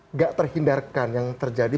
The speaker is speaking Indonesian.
nggak terhindarkan yang terjadi